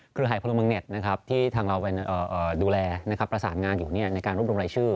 หายพลเมืองเน็ตที่ทางเราดูแลประสานงานอยู่ในการรวบรวมรายชื่อ